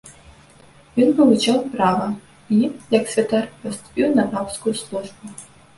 Ён вывучаў права і, як святар, паступіў на папскую службу.